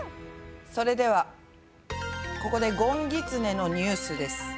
それではここでごんぎつねのニュースです。